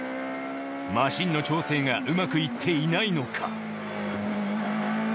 マシンの調整がうまくいっていないのか？